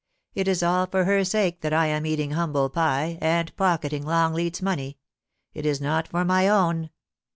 It is all for her sake that I am eating humble pie, and pocketing Longkat's money. It is not for my own.'